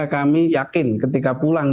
kami yakin ketika pulang